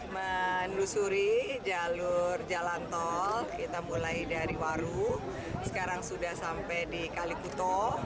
menelusuri jalur jalan tol kita mulai dari waru sekarang sudah sampai di kalikuto